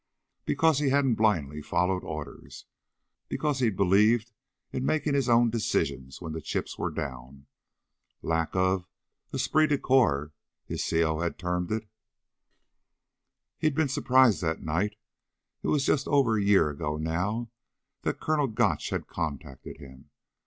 Because he hadn't blindly followed orders. Because he'd believed in making his own decisions when the chips were down. "Lack of esprit de corps," his C. O. had termed it. He'd been surprised that night it was over a year ago now that Colonel Gotch had contacted him.